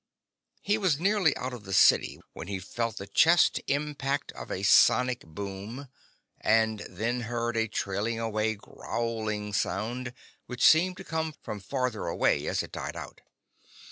He was nearly out of the city when he felt the chest impact of a sonic boom, and then heard a trailing away growling sound which seemed to come from farther away as it died out.